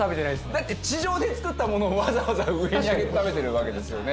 だって地上で作ったものをわざわざ上に上げて食べてるわけですよね。